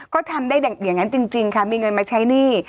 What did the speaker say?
ก็ทำได้อย่างนั้นจริงค่ะมีเงินมาใช้หนี้